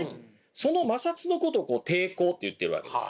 その摩擦のことを抵抗と言ってるわけです。